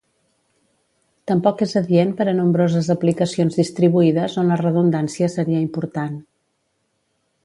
Tampoc és adient per a nombroses aplicacions distribuïdes on la redundància seria important.